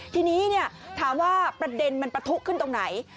ทีนี้ถามว่าประเด็นมันประทุขึ้นตรงไหน